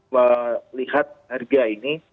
melihat harga ini